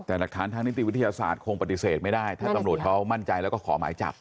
แต่หลักฐานทางนิติวิทยาศาสตร์คงปฏิเสธไม่ได้ถ้าตำรวจเขามั่นใจแล้วก็ขอหมายจับ